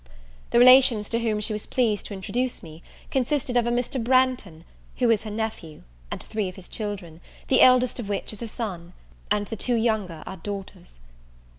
The relations to whom she was pleased to introduce me, consisted of a Mr. Branghton, who is her nephew, and three of his children, the eldest of which is a son, and the two younger are daughters.